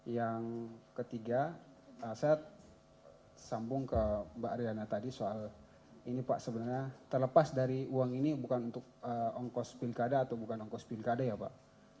yang ketiga saya sambung ke mbak ariana tadi soal ini pak sebenarnya terlepas dari uang ini bukan untuk ongkos pilkada atau bukan ongkos pilkada ya pak